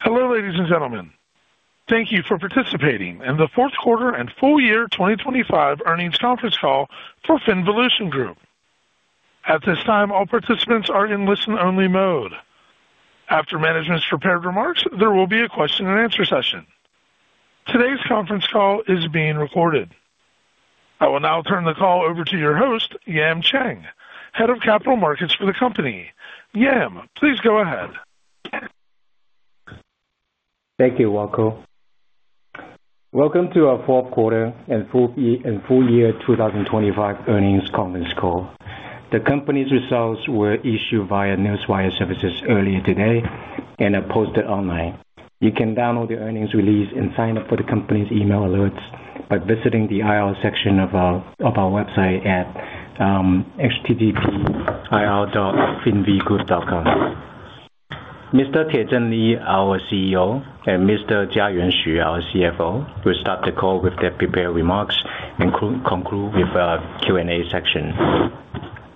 Hello, ladies and gentlemen. Thank you for participating in the Fourth Quarter and Full Year 2025 Earnings Conference Call for FinVolution Group. At this time, all participants are in listen-only mode. After management's prepared remarks, there will be a question-and-answer session. Today's conference call is being recorded. I will now turn the call over to your host, Yam Cheng, Head of Capital Markets for the company. Yam, please go ahead. Thank you, Rocco. Welcome to our fourth quarter and full year 2025 earnings conference call. The company's results were issued via newswire services earlier today and are posted online. You can download the earnings release and sign up for the company's email alerts by visiting the IR section of our website at ir.finvgroup.com. Mr. Tiezheng Li, our CEO, and Mr. Jiayuan Xu, our CFO, will start the call with their prepared remarks and conclude with our Q&A section.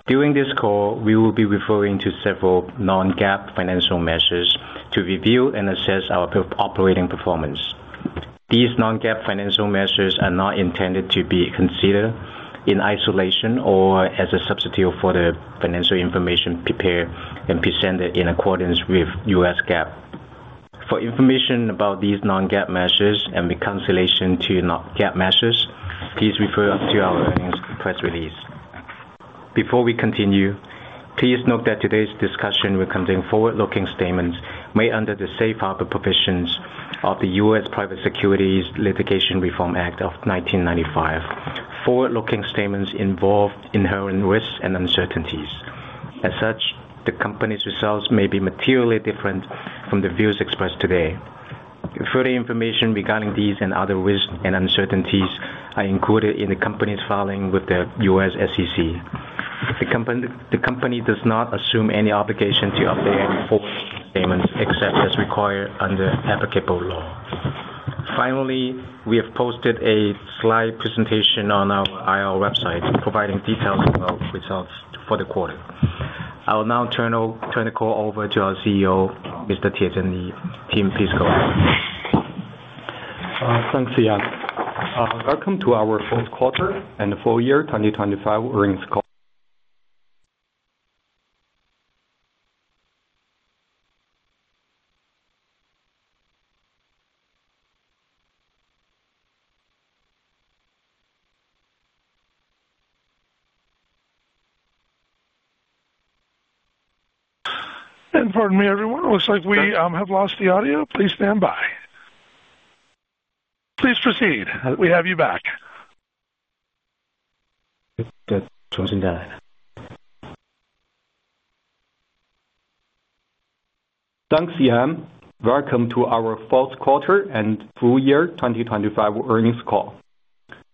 During this call, we will be referring to several non-GAAP financial measures to review and assess our operating performance. These non-GAAP financial measures are not intended to be considered in isolation or as a substitute for the financial information prepared and presented in accordance with US GAAP. For information about these non-GAAP measures and reconciliation to non-GAAP measures, please refer to our earnings press release. Before we continue, please note that today's discussion will contain forward-looking statements made under the safe harbor provisions of the US Private Securities Litigation Reform Act of 1995. Forward-looking statements involve inherent risks and uncertainties. As such, the company's results may be materially different from the views expressed today. Further information regarding these and other risks and uncertainties are included in the company's filing with the US SEC. The company does not assume any obligation to update any forward-looking statements except as required under applicable law. Finally, we have posted a slide presentation on our IR website providing details about results for the quarter. I will now turn the call over to our CEO, Mr. Tiezheng Li. Tim, please go ahead. Thanks, Yam. Welcome to our Fourth Quarter and Full Year 2025 Earnings Call... Pardon me, everyone. It looks like we have lost the audio. Please stand by. Please proceed. We have you back. Good. Thanks, Yam. Welcome to our Fourth Quarter and Full Year 2025 Earnings Call.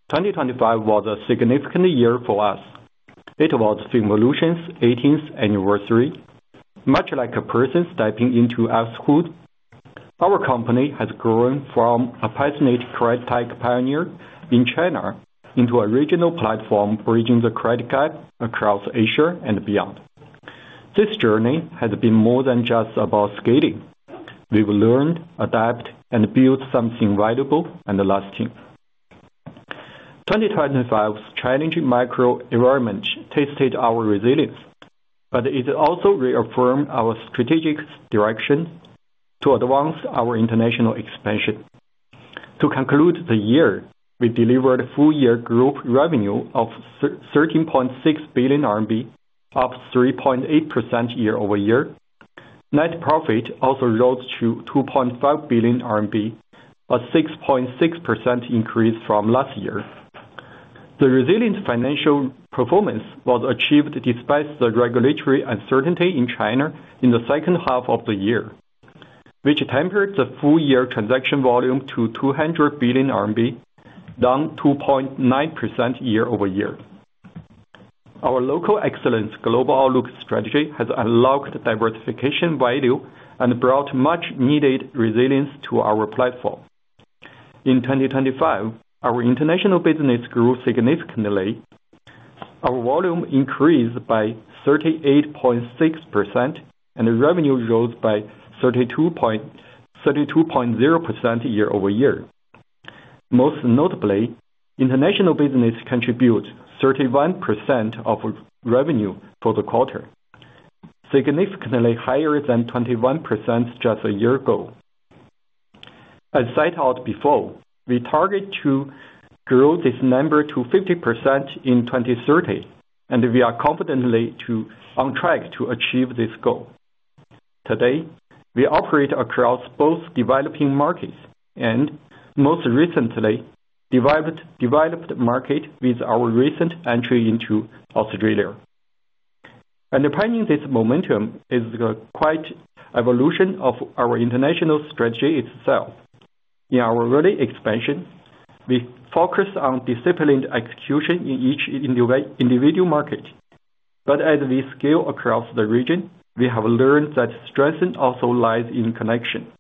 2025 was a significant year for us. It was FinVolution's 18th anniversary. Much like a person stepping into adulthood, our company has grown from a passionate credit tech pioneer in China into a regional platform bridging the credit gap across Asia and beyond. This journey has been more than just about scaling. We've learned, adapt, and built something valuable and lasting. 2025's challenging macro environment tested our resilience, but it also reaffirmed our strategic direction to advance our international expansion. To conclude the year, we delivered full-year group revenue of 13.6 billion RMB, up 3.8% year-over-year. Net profit also rose to 2.5 billion RMB, a 6.6% increase from last year. The resilient financial performance was achieved despite the regulatory uncertainty in China in the second half of the year, which tempered the full-year transaction volume to 200 billion RMB, down 2.9% year-over-year. Our local excellence global outlook strategy has unlocked diversification value and brought much needed resilience to our platform. In 2025, our international business grew significantly. Our volume increased by 38.6%, and the revenue rose by 32.0% year-over-year. Most notably, international business contributes 31% of revenue for the quarter, significantly higher than 21% just a year ago. As I said before, we target to grow this number to 50% in 2030, and we are confident we are on track to achieve this goal. Today, we operate across both developing markets and most recently, developed market with our recent entry into Australia. Underpinning this momentum is the quiet evolution of our international strategy itself. In our early expansion, we focused on disciplined execution in each individual market. As we scale across the region, we have learned that strength also lies in connection.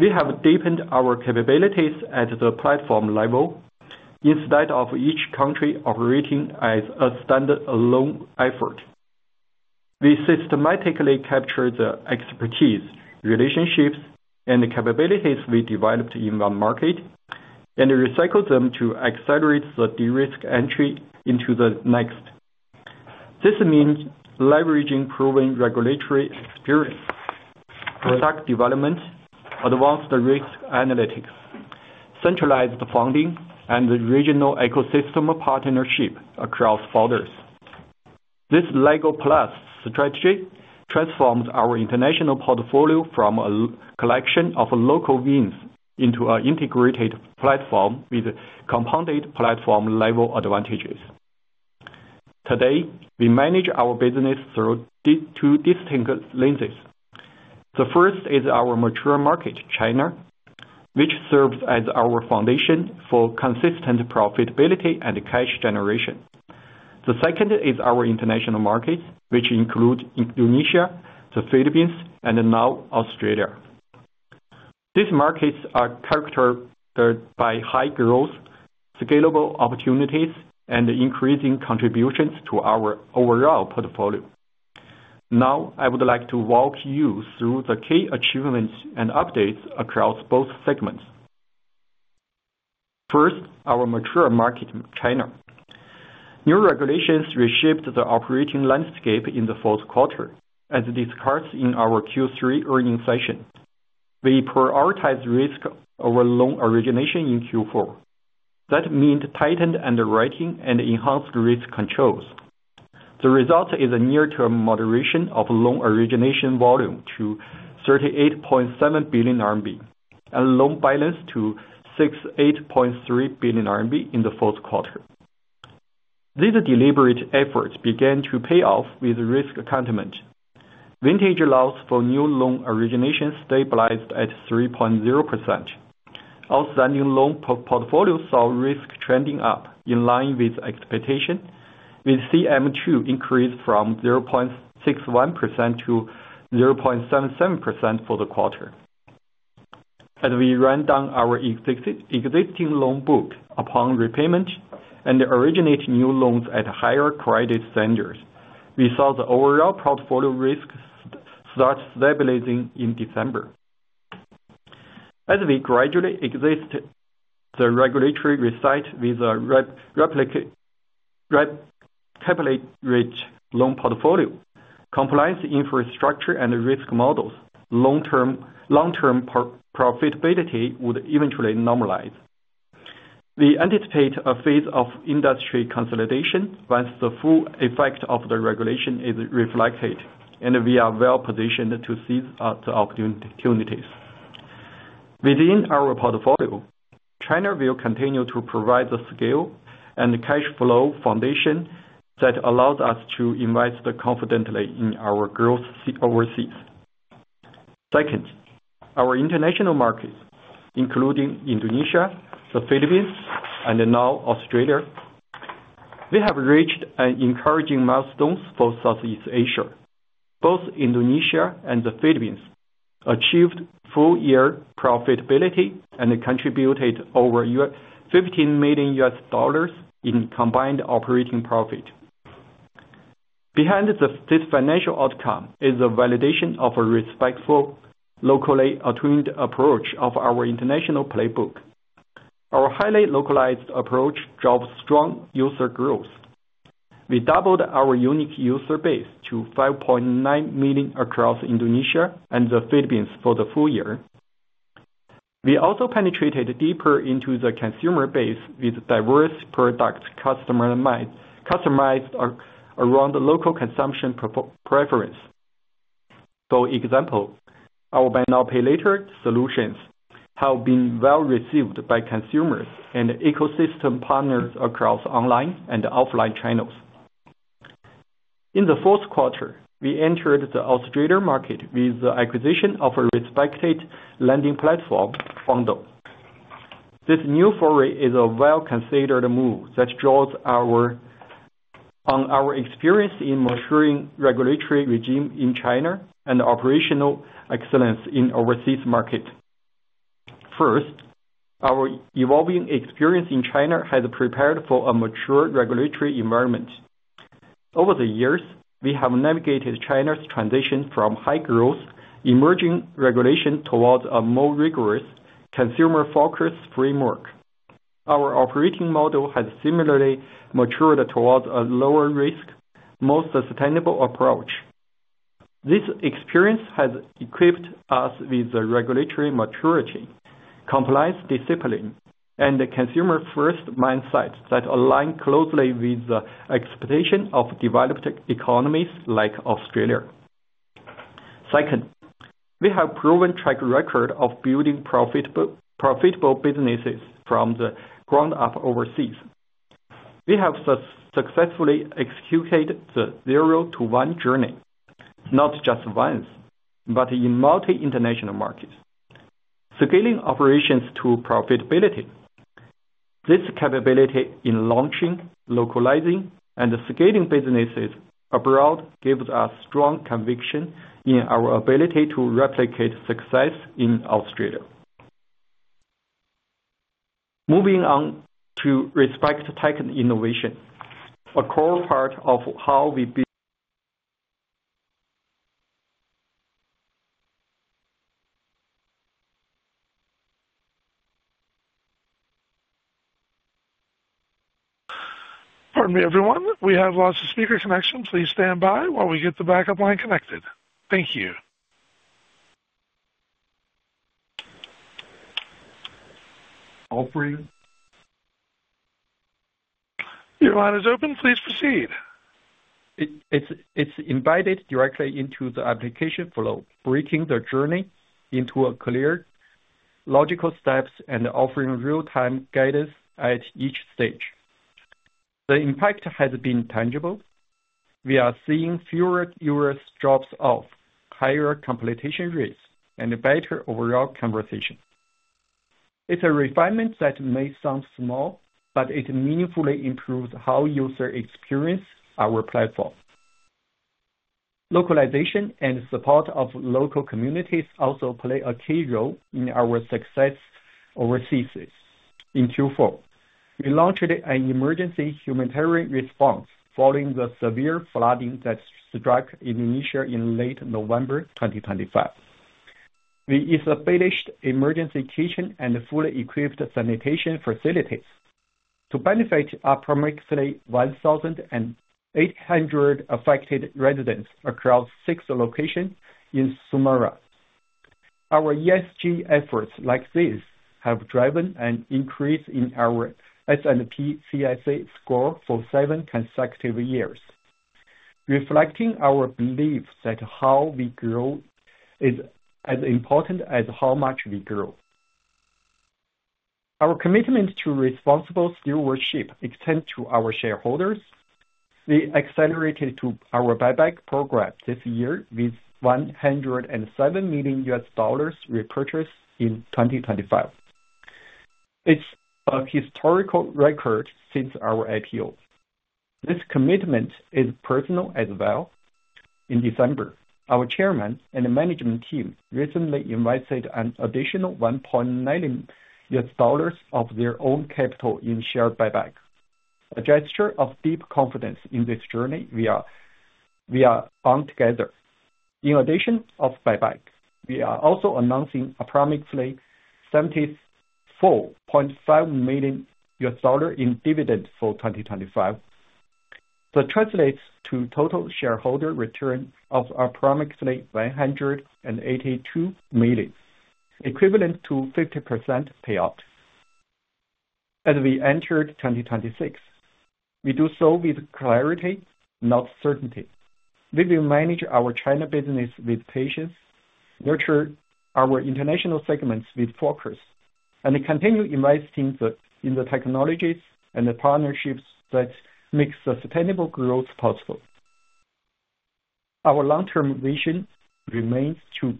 We have deepened our capabilities at the platform level instead of each country operating as a stand-alone effort. We systematically capture the expertise, relationships, and the capabilities we developed in one market and recycle them to accelerate the de-risk entry into the next. This means leveraging proven regulatory experience, product development, advanced risk analytics, centralized funding, and regional ecosystem partnership across borders. This LEGO+ strategy transforms our international portfolio from a collection of local wins into an integrated platform with compounded platform-level advantages. Today, we manage our business through two distinct lenses. The first is our mature market, China, which serves as our foundation for consistent profitability and cash generation. The second is our international markets, which include Indonesia, the Philippines, and now Australia. These markets are characterized by high growth, scalable opportunities, and increasing contributions to our overall portfolio. Now, I would like to walk you through the key achievements and updates across both segments. First, our mature market, China. New regulations reshaped the operating landscape in the fourth quarter, as discussed in our third quarter earnings session. We prioritize risk over loan origination in fourth quarter. That means tightened underwriting and enhanced risk controls. The result is a near-term moderation of loan origination volume to 38.7 billion RMB, and loan balance to 68.3 billion RMB in the fourth quarter. This deliberate effort began to pay off with risk containment. Vintage loss for new loan origination stabilized at 3.0%. Outstanding loan portfolio saw risk trending up in line with expectation, with CM2 increased from 0.61% to 0.77% for the quarter. As we ran down our existing loan book upon repayment and originate new loans at higher credit standards, we saw the overall portfolio risk start stabilizing in December. As we gradually exit the regulatory regime with a replicate, recapitalized rich loan portfolio, compliance infrastructure and risk models, long-term profitability would eventually normalize. We anticipate a phase of industry consolidation once the full effect of the regulation is reflected, and we are well-positioned to seize the opportunities. Within our portfolio, China will continue to provide the scale and cash flow foundation that allows us to invest confidently in our growth overseas. Second, our international markets, including Indonesia, the Philippines, and now Australia. We have reached an encouraging milestone for Southeast Asia. Both Indonesia and the Philippines achieved full-year profitability and contributed over $15 million in combined operating profit. Behind this financial outcome is a validation of a respectful, locally attuned approach of our international playbook. Our highly localized approach drove strong user growth. We doubled our unique user base to 5.9 million across Indonesia and the Philippines for the full year. We also penetrated deeper into the consumer base with diverse products customized around the local consumption preferences. For example, our Buy Now, Pay Later solutions have been well-received by consumers and ecosystem partners across online and offline channels. In the fourth quarter, we entered the Australian market with the acquisition of a respected lending platform, Fundo. This new foray is a well-considered move that draws on our experience in maturing regulatory regime in China and operational excellence in overseas market. First, our evolving experience in China has prepared for a mature regulatory environment. Over the years, we have navigated China's transition from high growth, emerging regulation towards a more rigorous consumer-focused framework. Our operating model has similarly matured towards a lower risk, more sustainable approach. This experience has equipped us with the regulatory maturity, compliance discipline, and a consumer-first mind-set that align closely with the expectation of developed economies like Australia. Second, we have proven track record of building profitable businesses from the ground up overseas. We have successfully executed the zero to one journey, not just once, but in multiple international markets, scaling operations to profitability. This capability in launching, localizing, and scaling businesses abroad gives us strong conviction in our ability to replicate success in Australia. Moving on to RegTech and innovation. A core part of how we build... Pardon me, everyone. We have lost the speaker connection. Please stand by while we get the backup line connected. Thank you. Operator? Your line is open. Please proceed. It's embedded directly into the application flow, breaking the journey into a clear, logical steps and offering real-time guidance at each stage. The impact has been tangible. We are seeing fewer users drop off, higher completion rates, and better overall conversion. It's a refinement that may sound small, but it meaningfully improves how users experience our platform. Localization and support of local communities also play a key role in our success overseas. In fourth quarter, we launched an emergency humanitarian response following the severe flooding that struck Indonesia in late November 2025. We established emergency kitchen and fully equipped sanitation facilities to benefit approximately 1,800 affected residents across six locations in Sumatra. Our ESG efforts like this have driven an increase in our S&P CSA score for seven consecutive years, reflecting our belief that how we grow is as important as how much we grow. Our commitment to responsible stewardship extends to our shareholders. We accelerated our buyback program this year with $107 million repurchase in 2025. It's a historical record since our IPO. This commitment is personal as well. In December, our chairman and management team recently invested an additional $1.9 million of their own capital in share buyback. A gesture of deep confidence in this journey we are on together. In addition to buyback, we are also announcing approximately $74.5 million in dividends for 2025. That translates to total shareholder return of approximately 182 million, equivalent to 50% payout. As we enter 2026, we do so with clarity, not certainty. We will manage our China business with patience, nurture our international segments with focus, and continue investing in the technologies and the partnerships that makes the sustainable growth possible. Our long-term vision remains to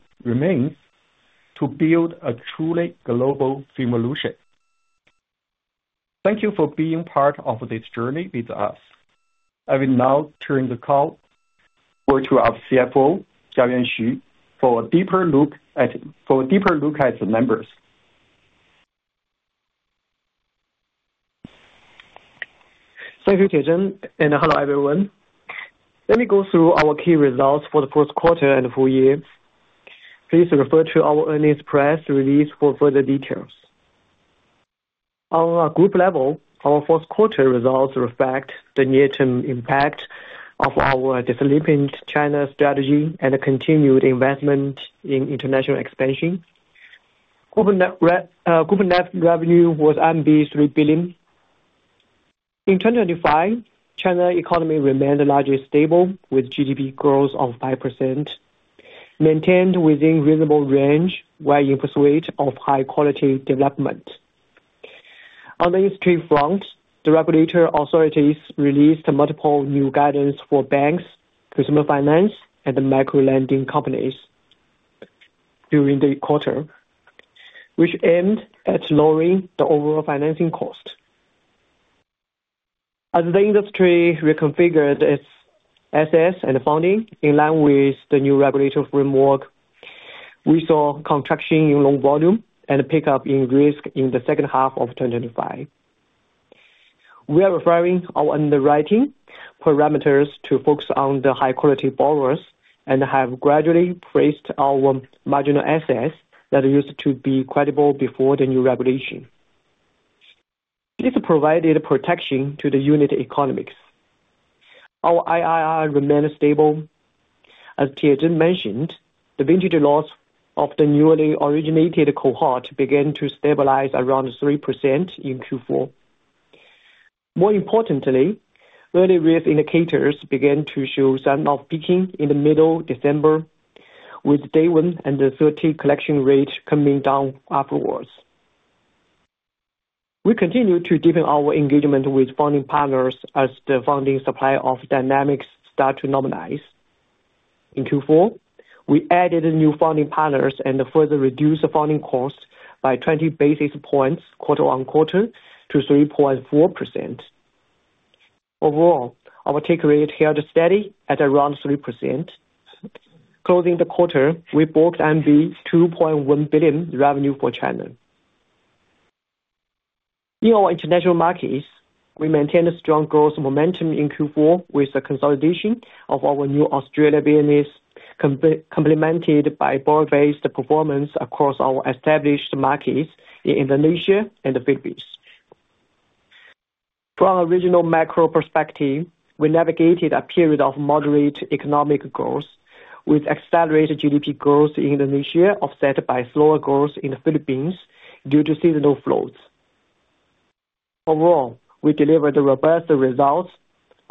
build a truly global FinVolution. Thank you for being part of this journey with us. I will now turn the call over to our CFO, Jiayuan Xu, for a deeper look at the numbers. Thank you, Tiezheng, and hello, everyone. Let me go through our key results for the first quarter and full year. Please refer to our earnings press release for further details. On a group level, our fourth quarter results reflect the near-term impact of our developing China strategy and continued investment in international expansion. Group net revenue was 3 billion. In 2025, China economy remained largely stable with GDP growth of 5%, maintained within reasonable range while in pursuit of high quality development. On the industry front, the regulatory authorities released multiple new guidance for banks, consumer finance, and micro lending companies during the quarter, which aimed at lowering the overall financing cost. As the industry reconfigured its assets and funding in line with the new regulatory framework, we saw contraction in loan volume and a pickup in risk in the second half of 2025. We are refining our underwriting parameters to focus on the high-quality borrowers and have gradually priced our marginal assets that used to be credible before the new regulation. This provided protection to the unit economics. Our IIR remained stable. As Tiezheng mentioned, the vintage loss of the newly originated cohort began to stabilize around 3% in fourth quarter. More importantly, early risk indicators began to show some sign of peaking in the middle December, with day one and the 30 collection rate coming down afterwards. We continue to deepen our engagement with funding partners as the funding supply dynamics start to normalize. In fourth quarter, we added new funding partners and further reduced the funding cost by 20-basis points quarter-on-quarter to 3.4%. Overall, our take rate held steady at around 3%. Closing the quarter, we booked 2.1 billion revenue for China. In our international markets, we maintained a strong growth momentum in fourth quarter with the consolidation of our new Australia business, complemented by broad-based performance across our established markets in Indonesia and the Philippines. From a regional macro perspective, we navigated a period of moderate economic growth with accelerated GDP growth in Indonesia, offset by slower growth in the Philippines due to seasonal flows. Overall, we delivered robust results.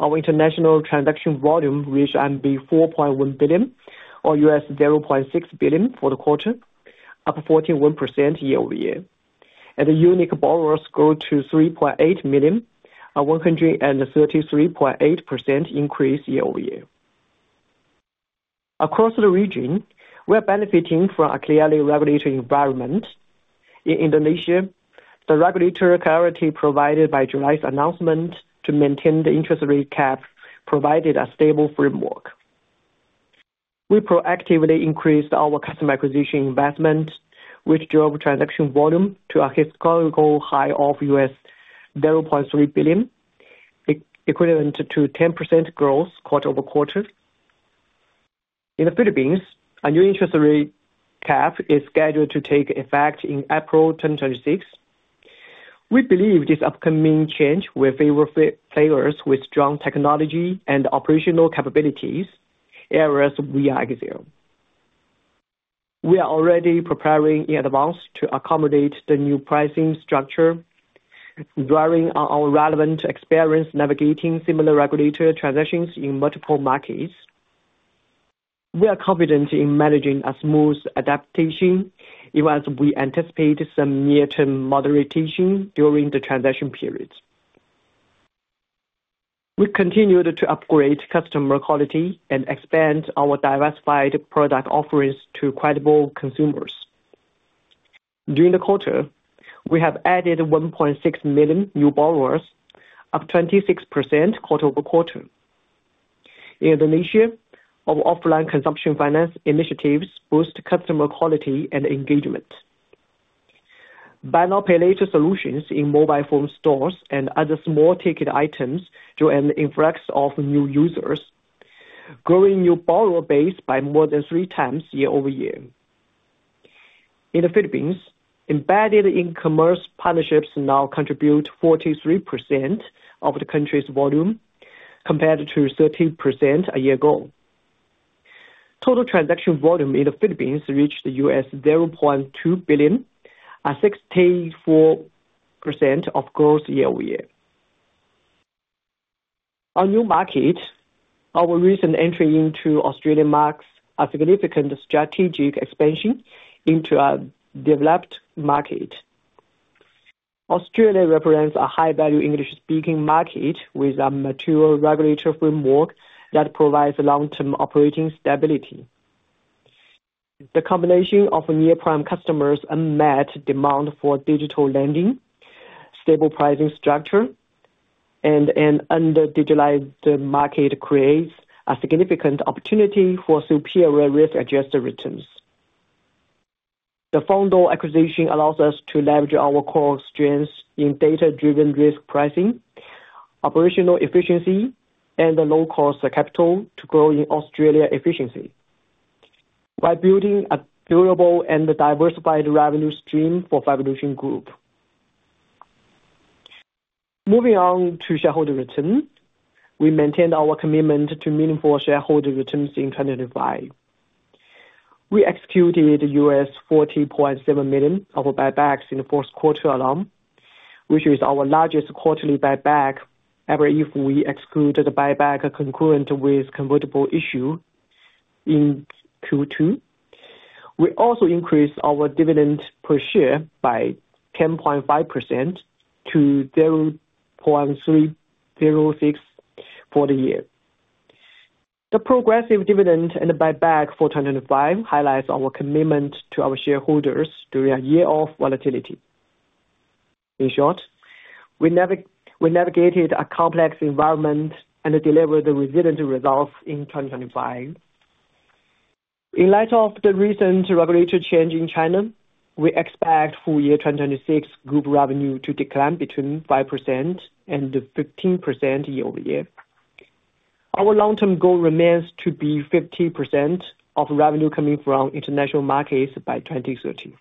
Our international transaction volume reached 4.1 billion, or $0.6 billion for the quarter, up 14% year-over-year. The unique borrowers grew to 3.8 million, a 133.8% increase year-over-year. Across the region, we are benefiting from a clear regulatory environment. In Indonesia, the regulatory clarity provided by July's announcement to maintain the interest rate cap provided a stable framework. We proactively increased our customer acquisition investment, which drove transaction volume to a historical high of $0.3 billion, equivalent to 10% growth quarter-over-quarter. In the Philippines, a new interest rate cap is scheduled to take effect in 10 April 2026. We believe this upcoming change will favor players with strong technology and operational capabilities, areas we are strong. We are already preparing in advance to accommodate the new pricing structure, drawing on our relevant experience navigating similar regulatory transitions in multiple markets. We are confident in managing a smooth adaptation, even as we anticipate some near-term moderation during the transition periods. We continued to upgrade customer quality and expand our diversified product offerings to credible consumers. During the quarter, we have added 1.6 million new borrowers, up 26% quarter-over-quarter. In Indonesia, our offline consumption finance initiatives boost customer quality and engagement. Buy now, pay later solutions in mobile phone stores and other small ticket items drew an influx of new users, growing new borrower base by more than 3x year-over-year. In the Philippines, embedded e-commerce partnerships now contribute 43% of the country's volume, compared to 13% a year ago. Total transaction volume in the Philippines reached $0.2 billion, a 64% growth year-over-year. On new market, our recent entry into Australian markets, a significant strategic expansion into a developed market. Australia represents a high value English-speaking market with a mature regulatory framework that provides long-term operating stability. The combination of near-prime customers' unmet demand for digital lending, stable pricing structure, and an under-digitalized market creates a significant opportunity for superior risk-adjusted returns. The Fundo acquisition allows us to leverage our core strengths in data-driven risk pricing, operational efficiency, and low cost capital to grow in Australia efficiently, by building a durable and diversified revenue stream for FinVolution Group. Moving on to shareholder returns. We maintained our commitment to meaningful shareholder returns in 2025. We executed $40.7 million of buybacks in the first quarter alone, which is our largest quarterly buyback, ever if we excluded the buyback concurrent with convertible issue in second quarter. We also increased our dividend per share by 10.5% to $0.306 for the year. The progressive dividend and buyback for 2025 highlights our commitment to our shareholders during a year of volatility. In short, we navigated a complex environment and delivered resilient results in 2025. In light of the recent regulatory change in China, we expect full year 2026 group revenue to decline between 5% and 15% year over year. Our long-term goal remains to be 50% of revenue coming from international markets by 2030.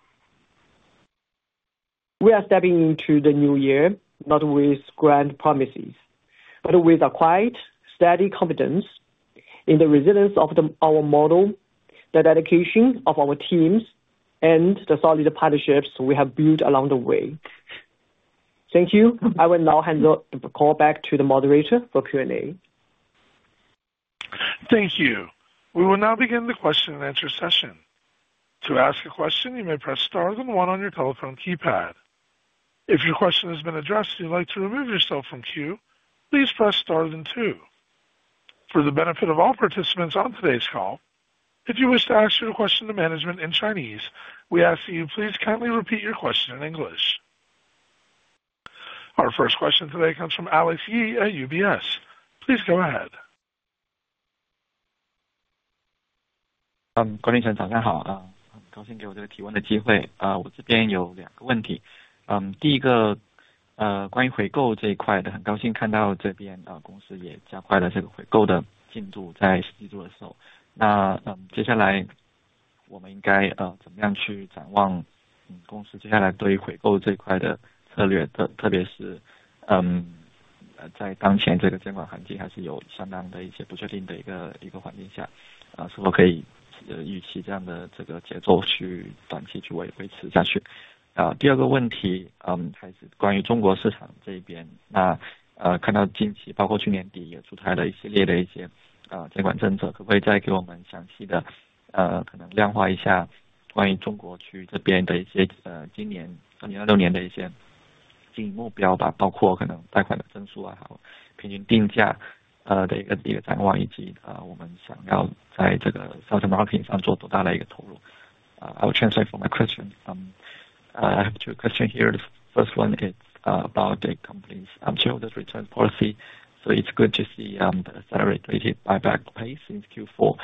We are stepping into the new year not with grand promises, but with a quiet, steady confidence in the resilience of our model, the dedication of our teams, and the solid partnerships we have built along the way. Thank you. I will now hand the call back to the moderator for Q&A. Thank you. We will now begin the question and answer session. To ask a question, you may press star then one on your telephone keypad. If your question has been addressed and you'd like to remove yourself from queue, please press star then two. For the benefit of all participants on today's call, if you wish to ask your question to management in Chinese, we ask that you please kindly repeat your question in English. Our first question today comes from Alex Ye at UBS. Please go ahead. Good morning. I will translate for my question. I have two questions here. The first one is about the company's shareholders return policy. It's good to see the accelerated buyback pace since fourth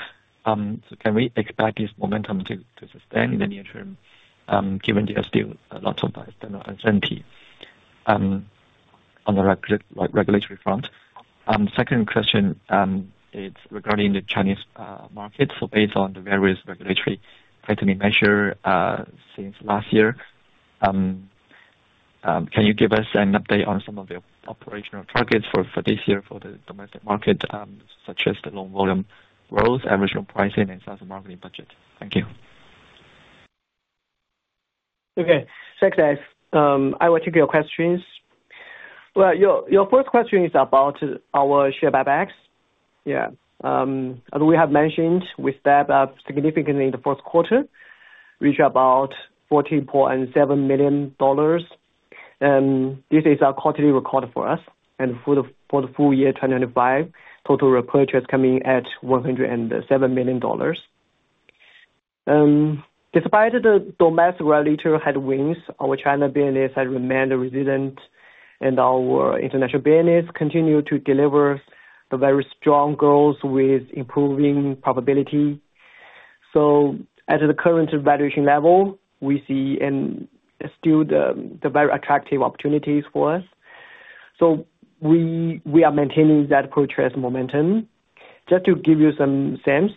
quarter. Can we expect this momentum to sustain in the near term, given there are still a lot of external uncertainty on the regulatory front? Second question is regarding the Chinese market. Based on the various regulatory tightening measures since last year, can you give us an update on some of the operational targets for this year for the domestic market, such as the loan volume growth, average loan pricing and sales and marketing budget? Thank you. Okay. Thanks, Alex. I will take your questions. Well, your first question is about our share buybacks. Yeah. As we have mentioned, we step up significantly in the first quarter, which about $40.7 million. This is a quarterly record for us and for the full year 2025 total repurchase coming at $107 million. Despite the domestic regulatory headwinds, our China business has remained resilient and our international business continue to deliver a very strong growth with improving profitability. At the current valuation level, we see still the very attractive opportunities for us. We are maintaining that repurchase momentum. Just to give you some sense,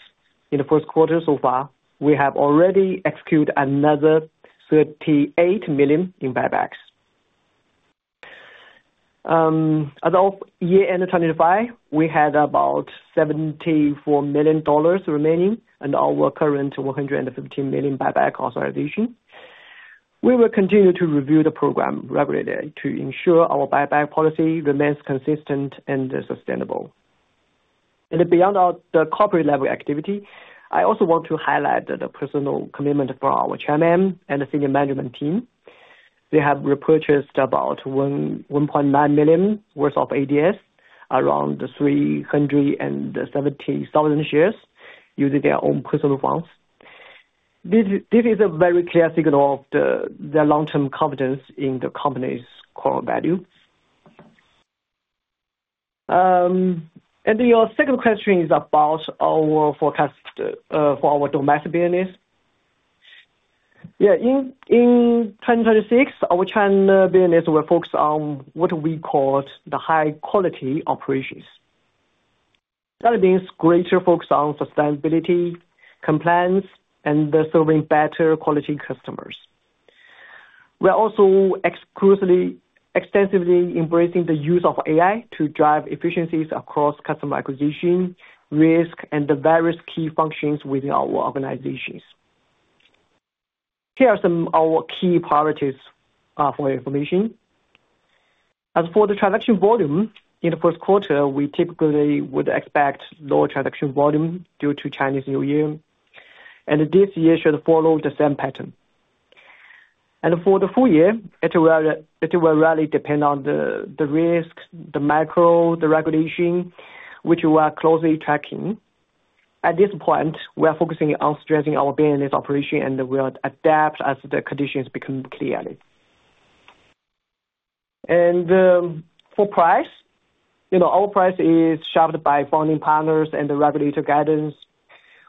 in the first quarter so far, we have already execute another $38 million in buybacks. As of year-end 2025, we had about $74 million remaining and our current $115 million buyback authorization. We will continue to review the program regularly to ensure our buyback policy remains consistent and sustainable. Beyond the corporate level activity, I also want to highlight the personal commitment from our chairman and senior management team. They have repurchased about $1.9 million worth of ADS, around 370,000 shares using their own personal funds. This is a very clear signal of the long-term confidence in the company's core value. Your second question is about our forecast for our domestic business. In 2026, our China business will focus on what we call the high quality operations. That means greater focus on sustainability, compliance, and serving better quality customers. We are also exclusively, extensively embracing the use of AI to drive efficiencies across customer acquisition, risk, and the various key functions within our organizations. Here are some of our key priorities for your information. As for the transaction volume, in the first quarter, we typically would expect lower transaction volume due to Chinese New Year, and this year should follow the same pattern. For the full year, it will really depend on the risk, the macro, the regulation, which we are closely tracking. At this point, we are focusing on strengthening our business operation and we'll adapt as the conditions become clearer. For price, you know, our price is shaped by funding partners and the regulatory guidance.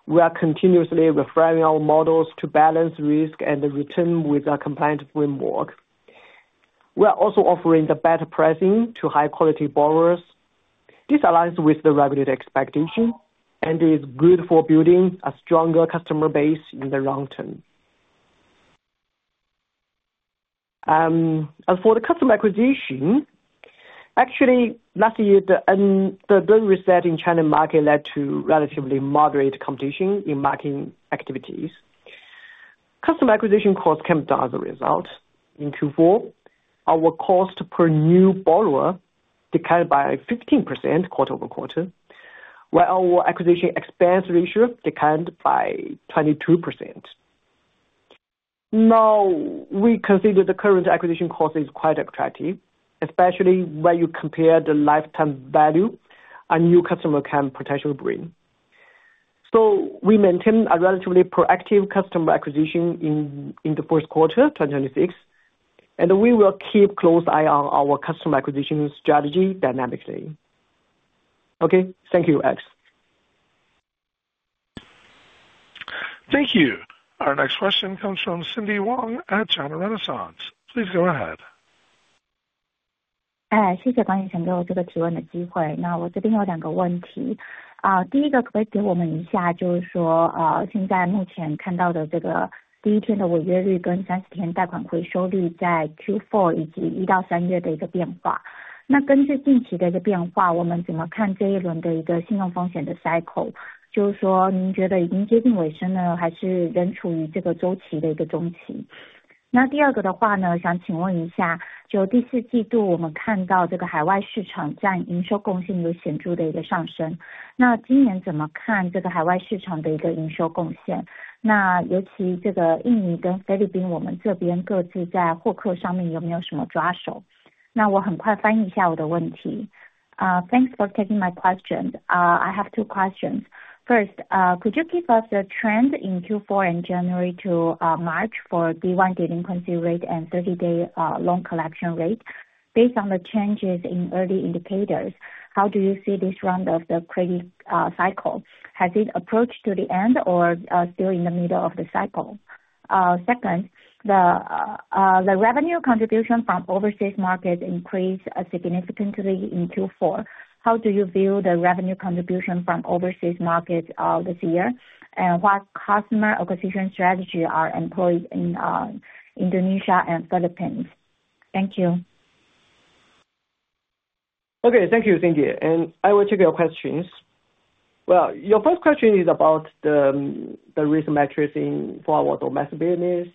We are continuously refining our models to balance risk and return with our compliance framework. We are also offering the better pricing to high quality borrowers. This aligns with the regulatory expectation and is good for building a stronger customer base in the long-term. As for the customer acquisition, actually last year the reset in China market led to relatively moderate competition in marketing activities. Customer acquisition costs came down as a result. In fourth quarter, our cost per new borrower declined by 15% quarter-over-quarter, while our acquisition expense ratio declined by 22%. Now, we consider the current acquisition cost is quite attractive, especially when you compare the lifetime value a new customer can potentially bring. We maintain a relatively proactive customer acquisition in the first quarter, 2026, and we will keep close eye on our customer acquisition strategy dynamically. Okay, thank you, Alex. Thank you. Our next question comes from Cindy Wang at China Renaissance. Please go ahead. Thanks for taking my question. I have two questions. First, could you give us the trend in fourth quarter and January to March for day one delinquency rate and 30-day loan collection rate? Based on the changes in early indicators, how do you see this round of the credit cycle? Has it approached to the end or still in the middle of the cycle? Second, the revenue contribution from overseas markets increased significantly in fourth quarter. How do you view the revenue contribution from overseas markets this year? What customer acquisition strategy are employed in Indonesia and Philippines? Thank you. Okay. Thank you, Cindy, and I will take your questions. Well, your first question is about the risk metrics in fourth quarter domestic business.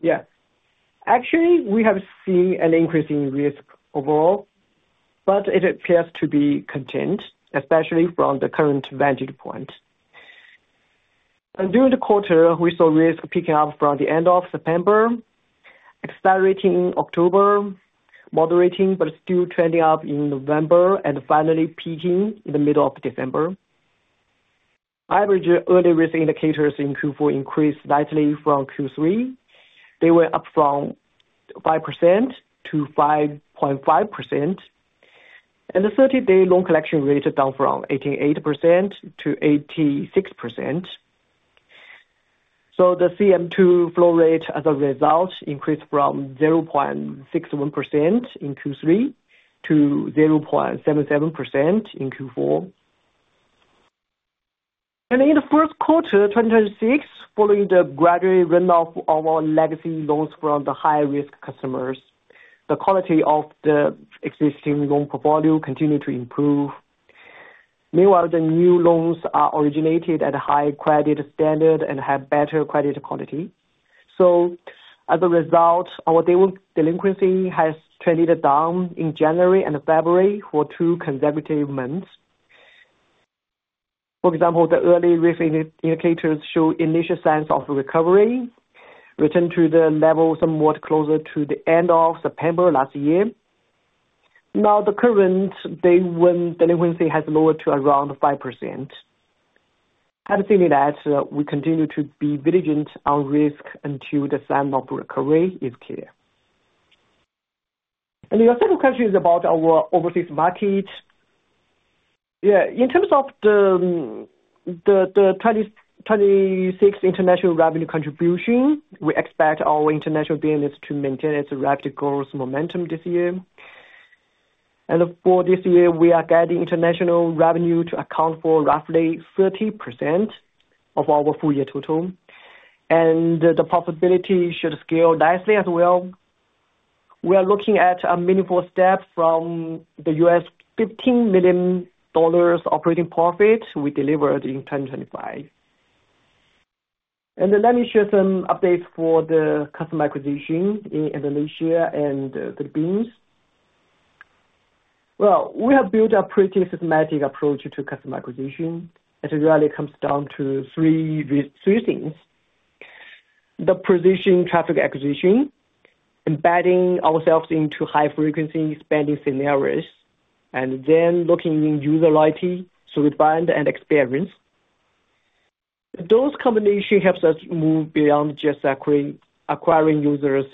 Yeah. Actually, we have seen an increase in risk overall, but it appears to be contained, especially from the current vantage point. During the quarter, we saw risk picking up from the end of September, accelerating October, moderating but still trending up in November and finally peaking in the middle of December. Average early risk indicators in fourth quarter increased slightly from third quarter. They were up from 5% to 5.5%. The 30-day loan collection rate is down from 88% to 86%. The CM2 flow rate as a result increased from 0.61% in third quarter to 0.77% in fourth quarter. In the first quarter 2026, following the gradual run off of our legacy loans from the high risk customers, the quality of the existing loan portfolio continued to improve. Meanwhile, the new loans are originated at a high credit standard and have better credit quality. As a result, our day one delinquency has trended down in January and February for two consecutive months. For example, the early risk indicators show initial signs of recovery, return to the level somewhat closer to the end of September last year. Now the current day one delinquency has lowered to around 5%. Having said that, we continue to be vigilant on risk until the sign of recovery is clear. Your second question is about our overseas market. Yeah. In terms of the 2026 international revenue contribution, we expect our international business to maintain its rapid growth momentum this year. For this year, we are guiding international revenue to account for roughly 30% of our full year total. The profitability should scale nicely as well. We are looking at a meaningful step from the $15 million operating profit we delivered in 2025. Let me share some updates for the customer acquisition in Indonesia and Philippines. Well, we have built a pretty systematic approach to customer acquisition. It really comes down to three things. The paid traffic acquisition, embedding ourselves into high frequency spending scenarios, and then locking in user loyalty through brand and experience. Those combination helps us move beyond just acquiring users.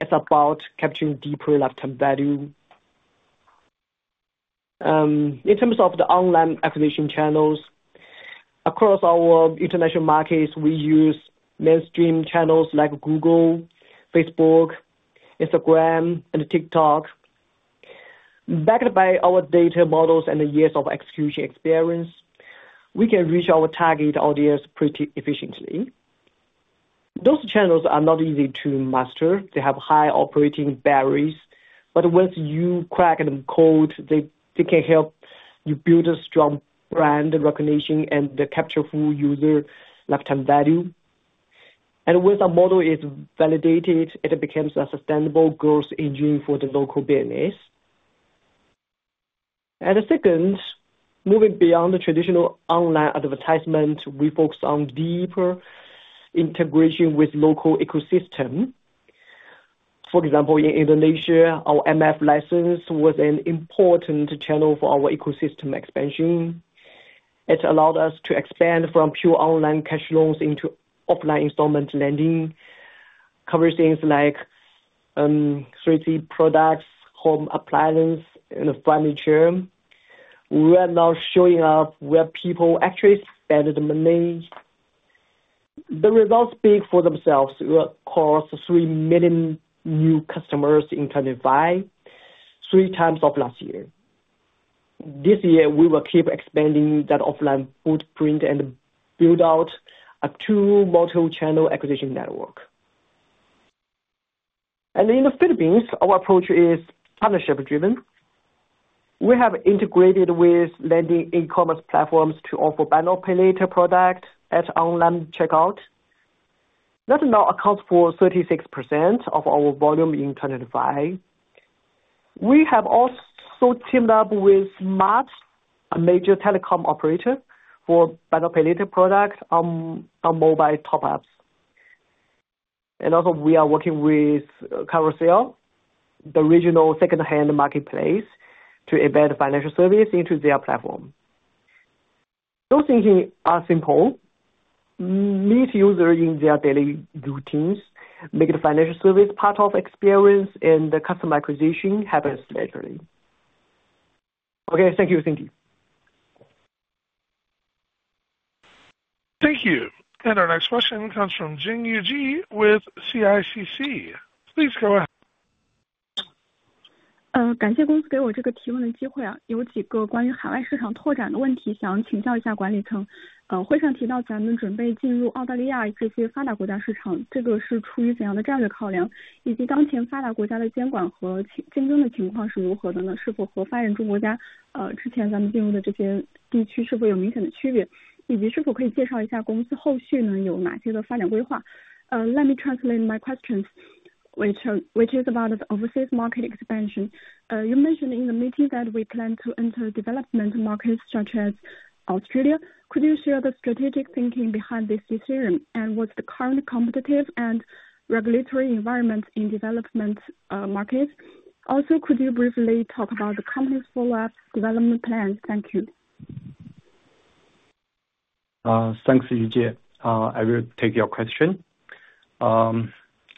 It's about capturing deeper lifetime value. In terms of the online acquisition channels, across our international markets, we use mainstream channels like Google, Facebook, Instagram and TikTok. Backed by our data models and years of execution experience, we can reach our target audience pretty efficiently. Those channels are not easy to master. They have high operating barriers. But once you crack the code, they can help you build a strong brand recognition and capture full user lifetime value. Once our model is validated, it becomes a sustainable growth engine for the local business. The second, moving beyond the traditional online advertisement, we focus on deeper integration with local ecosystem. For example, in Indonesia, our MFI license was an important channel for our ecosystem expansion. It allowed us to expand from pure online cash loans into offline installment lending, cover things like, 3C products, home appliances and furniture. We are now showing up where people actually spend the money. The results speak for themselves. We acquired 3 million new customers in 2025, 3x of last year. This year, we will keep expanding that offline footprint and build out a true multi-channel acquisition network. In the Philippines, our approach is partnership-driven. We have integrated with lending e-commerce platforms to offer buy now, pay later product at online checkout. That now accounts for 36% of our volume in 2025. We have also teamed up with MACH, a major telecom operator, for Buy Now, Pay Later product on mobile top-ups. We are working with Carousell, the regional secondhand marketplace, to embed financial service into their platform. Those things are simple. Meet user in their daily routines, make the financial service part of experience and the customer acquisition happens naturally. Okay, thank you. Thank you. Thank you. Our next question comes from Jinya Ji with CICC. Please go ahead. Which is about overseas market expansion. You mentioned in the meeting that we plan to enter developed markets such as Australia. Could you share the strategic thinking behind this decision and what's the current competitive and regulatory environment in developed markets? Also, could you briefly talk about the company's forward development plans? Thank you. Thanks, Jinya. I will take your question.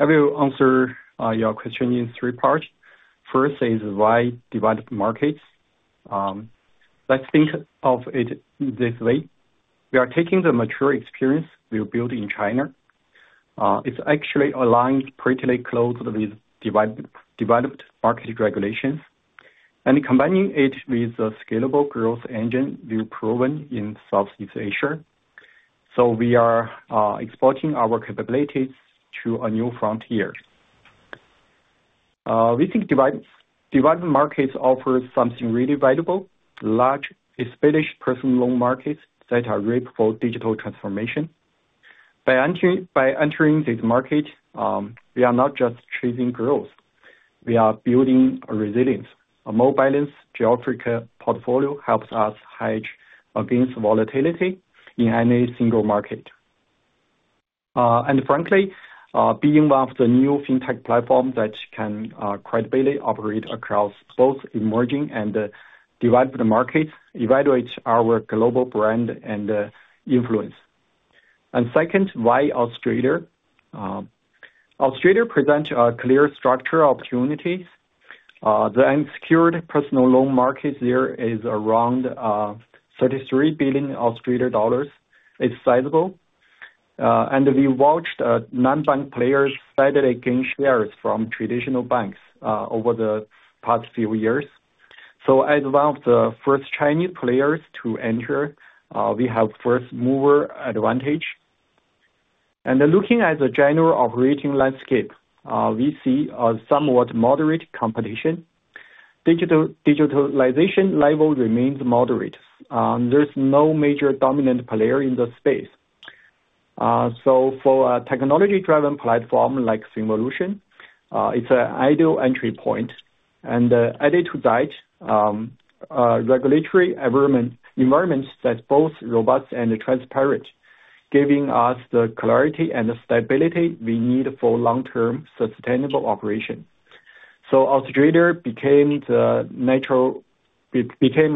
I will answer your question in three parts. First is why developed markets. Let's think of it this way. We are taking the mature experience we built in China. It's actually aligned pretty close with developed market regulations and combining it with a scalable growth engine we've proven in Southeast Asia. We are exporting our capabilities to a new frontier. We think developed markets offer something really valuable. Large established personal loan markets that are ripe for digital transformation. By entering this market, we are not just chasing growth. We are building resilience. A more balanced geographic portfolio helps us hedge against volatility in any single market. Frankly, being one of the new fintech platforms that can credibly operate across both emerging and developed markets evaluates our global brand and influence. Second, why Australia? Australia presents clear structural opportunities. The unsecured personal loan market there is around 33 billion Australian dollars. It's sizable. We watched non-bank players steadily gain shares from traditional banks over the past few years. As one of the first Chinese players to enter, we have first mover advantage. Looking at the general operating landscape, we see a somewhat moderate competition. Digitalization level remains moderate. There's no major dominant player in the space. For a technology-driven platform like FinVolution, it's an ideal entry point. Added to that, a regulatory environment that's both robust and transparent, giving us the clarity and the stability we need for long-term sustainable operation. Australia became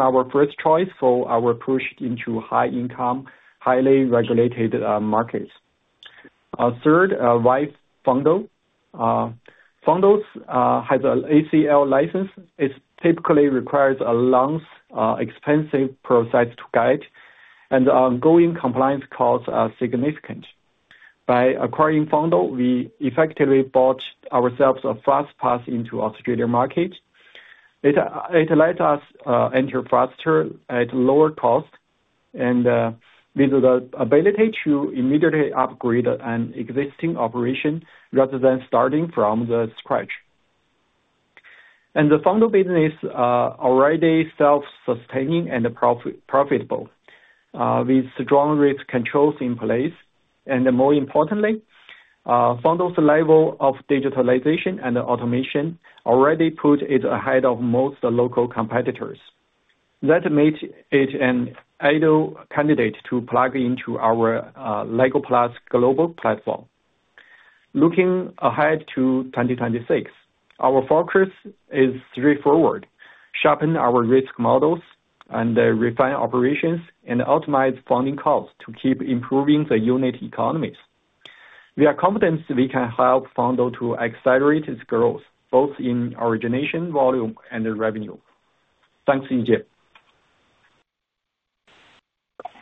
our first choice for our push into high-income, highly regulated markets. Third, why Fundo? Fundo has an ACL license. It typically requires a long, expensive process to get and ongoing compliance costs are significant. By acquiring Fundo, we effectively bought ourselves a fast pass into Australian market. It let us enter faster at lower cost and with the ability to immediately upgrade an existing operation rather than starting from scratch. The Fundo business already self-sustaining and profitable with strong risk controls in place. More importantly, Fundo's level of digitalization and automation already put it ahead of most local competitors. That makes it an ideal candidate to plug into our LEGO+ global platform. Looking ahead to 2026, our focus is straightforward. Sharpen our risk models and refine operations and optimize funding costs to keep improving the unit economies. We are confident we can help Fundo to accelerate its growth, both in origination, volume and revenue. Thanks, Jinya Ji.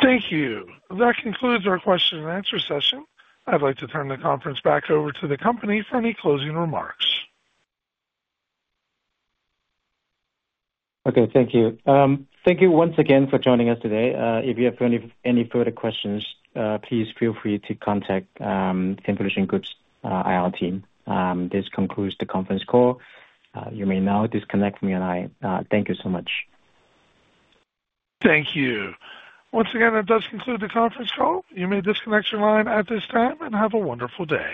Thank you. That concludes our question-and-answer session. I'd like to turn the conference back over to the company for any closing remarks. Okay, thank you. Thank you once again for joining us today. If you have any further questions, please feel free to contact FinVolution Group's IR team. This concludes the conference call. You may now disconnect from your line. Thank you so much. Thank you. Once again, that does conclude the conference call. You may disconnect your line at this time and have a wonderful day.